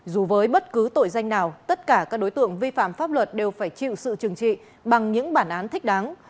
dù với bất cứ tội danh nào tất cả các đối tượng vi phạm pháp luật đều phải chịu sự trừng trị bằng những bản án thích đáng